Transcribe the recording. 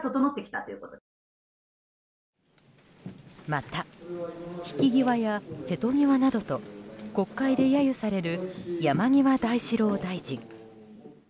また、引き際や瀬戸際などと国会で揶揄される山際大志郎大臣。